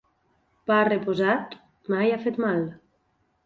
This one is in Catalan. Pa reposat mai ha fet mal.